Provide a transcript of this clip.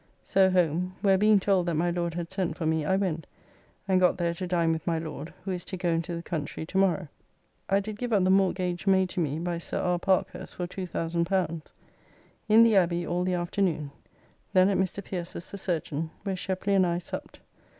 So home, where being told that my Lord had sent for me I went, and got there to dine with my Lord, who is to go into the country tomorrow. I did give up the mortgage made to me by Sir R. Parkhurst for L2,000. In the Abby all the afternoon. Then at Mr. Pierces the surgeon, where Shepley and I supped.